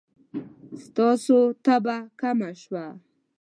ستاسو تبه کمه شوه؟